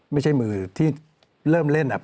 ไม่ใช่มือที่เริ่มเล่น